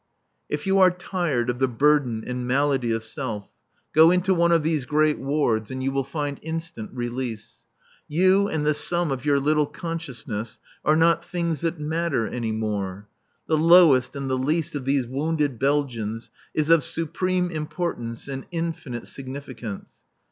If you are tired of the burden and malady of self, go into one of these great wards and you will find instant release. You and the sum of your little consciousness are not things that matter any more. The lowest and the least of these wounded Belgians is of supreme importance and infinite significance.